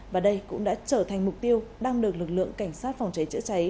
và đây cũng đã trở thành mục tiêu đang được lực lượng cảnh sát phòng cháy chữa cháy